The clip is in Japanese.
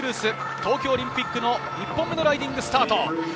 東京オリンピック１本目のライディングスタート。